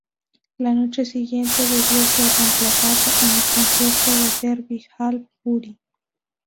La noche siguiente debió ser reemplazado en el concierto del Derby Hall, Bury.